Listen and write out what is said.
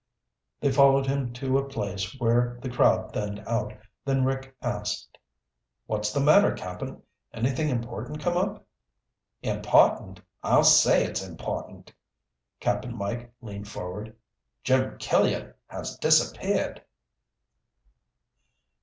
They followed him to a place where the crowd thinned out, then Rick asked, "What's the matter, Cap'n? Anything important come up?" "Important? I'll say it's important!" Cap'n Mike leaned forward. "Jim Killian has disappeared!"